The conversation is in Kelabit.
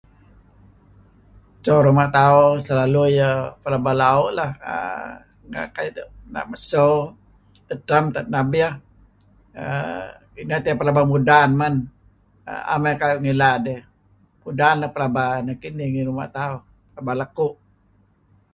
Adto ruma tahu selalu iyah laba la'uh lah[aah] utak kayuh [unintelligible] maso, datam tanap iyah[aah]inah tiah pelaba mudan man[aah]a'am kareb ngilad[um]mudan iyah pelaba nah kinih ngi ruma ta'uh, laba la'kuh